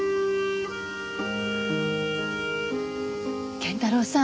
謙太郎さん